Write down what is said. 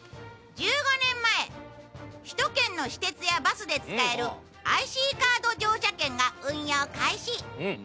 １５年前首都圏の私鉄やバスで使えるＩＣカード乗車券が運用開始。